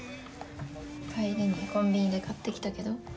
帰りにコンビニで買ってきたけど。